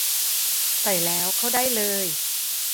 ใส่แล้วเข้าได้เลย